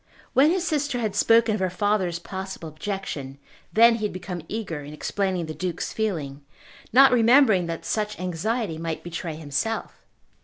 When his sister had spoken of her father's possible objection, then he had become eager in explaining the Duke's feeling, not remembering that such anxiety might betray himself.